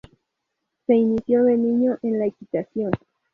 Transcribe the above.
Se inició de niño en la equitación.